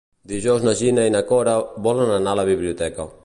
Dijous na Gina i na Cora volen anar a la biblioteca.